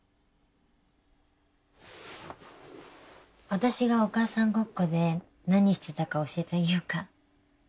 私がお母さんごっこで何してたか教えてあげよっか？